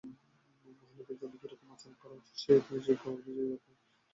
মহিলাদের সঙ্গে কিরকম আচরণ করা উচিত সে শিক্ষা ওঁর বিশেষ দরকার।